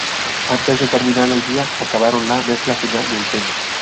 Antes de terminar el día acabaron la mezcla final del tema.